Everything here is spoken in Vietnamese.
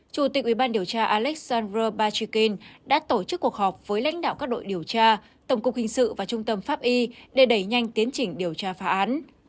chủ tịch ubnd alexandra pachykin đã tổ chức cuộc họp với lãnh đạo các đội điều tra tổng cục kinh sự và trung tâm pháp y để đẩy nhanh tiến chỉnh điều tra phá án